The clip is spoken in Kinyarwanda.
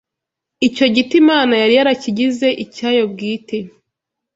Icyo giti Imana yari yarakigize icyayo bwite